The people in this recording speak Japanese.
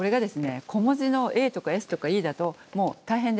小文字のａとかｓとかｅだともう大変です。